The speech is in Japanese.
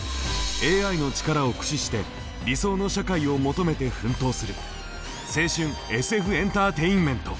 ＡＩの力を駆使して理想の社会を求めて奮闘する青春ＳＦエンターテインメント！